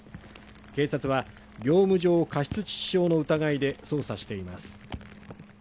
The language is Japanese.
警察は業務上過失致死傷の疑いで捜査しています。